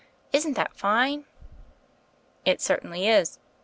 Isn't that finel" "It certainly is.